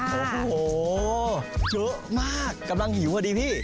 โอ้โหเยอะมากกำลังหิวพอดีพี่